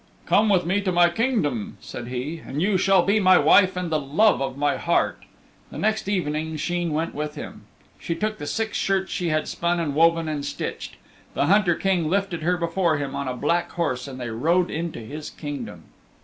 "Come with me to my kingdom," said he, "and you shall be my wife and the love of my heart." The next evening Sheen went with him. She took the six shirts she had spun and woven and stitched. The Hunter King lifted her before him on a black horse and they rode into his Kingdom.